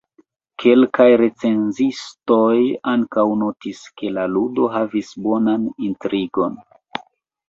Kelkaj recenzistoj ankaŭ notis ke la ludo havis bonan intrigon.